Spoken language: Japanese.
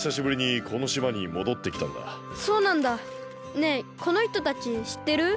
ねえこのひとたちしってる？